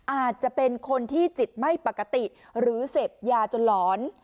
อาจจะเป็นคนที่จิตไม่ปกติหรือเสพยาจนหลอน